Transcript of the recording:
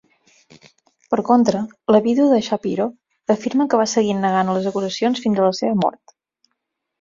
Per contra, la vídua de Schapiro afirma que va seguir negant les acusacions fins a la seva mort.